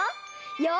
よし！